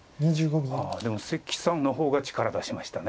でも関さんの方が力出しました。